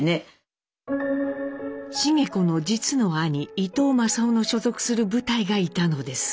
繁子の実の兄伊藤雅夫の所属する部隊がいたのです。